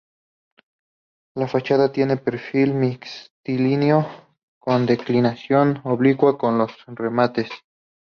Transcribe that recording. La fachada tiene perfil mixtilíneo con declinación oblicua en los remates.